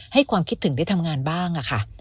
ความคิดถึงได้ทำงานบ้างค่ะ